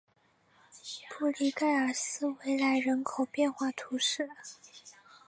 布利盖尔斯维莱人口变化图示